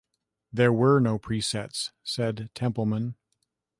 "There were no presets," said Templeman.